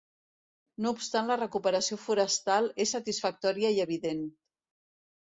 No obstant la recuperació forestal és satisfactòria i evident.